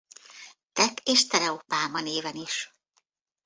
Tekk és Stereo Palma néven is.